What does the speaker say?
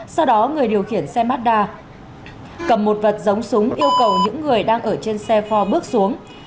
sau đó người điều khiển xe mazda cầm một vật giống súng yêu cầu những người đang ở trên xe pho bước xuống